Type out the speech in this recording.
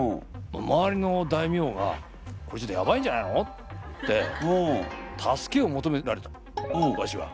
周りの大名が「これちょっとやばいんじゃないの？」って助けを求められたわしは。